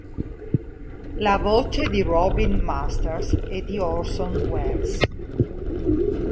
La voce di Robin Masters è di Orson Welles.